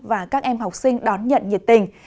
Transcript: và các em học sinh đón nhận nhiệt tình